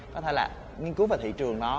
có thể là nghiên cứu về thị trường đó